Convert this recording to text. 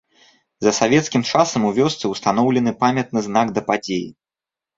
За савецкім часам у вёсцы ўстаноўлены памятны знак да падзеі.